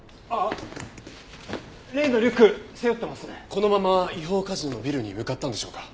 このまま違法カジノのビルに向かったんでしょうか？